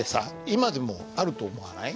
今でもあると思わない？